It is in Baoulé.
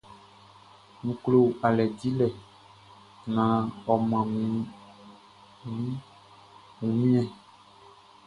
N klo aliɛ dilɛ naan ɔ mʼan mi ɲan wunmiɛn.